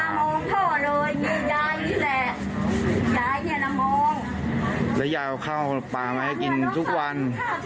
วันนี้ยังเอาข้าวมาให้กินทุกวัน